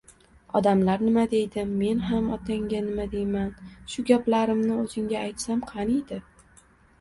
Odamlar nima deydi? Men ham otangga nima deyman? Shu gaplarimni o‘zingga aytsam qaniydi